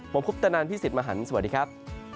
ผมคุปตนันพี่สิทธิ์มหันฯสวัสดีครับ